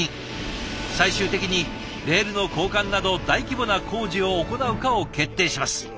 最終的にレールの交換など大規模な工事を行うかを決定します。